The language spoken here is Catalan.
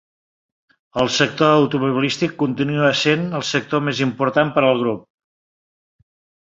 El sector automobilístic continua sent el sector més important per al grup.